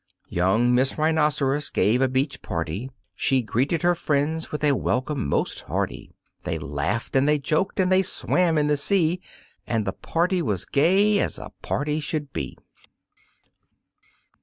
Young Miss Rhinoceros gave a beach party; She greeted her friends with a welcome most hearty. They laughed and they joked and they swam in the sea, And the party was gay, as a party should be.